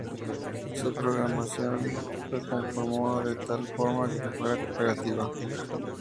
Su programación se conformó de tal forma que fuera competitiva.